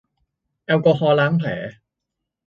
แอลกอฮอล์ล้างแผล